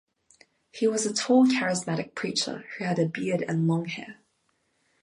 He was a tall, charismatic preacher who had a beard and long hair.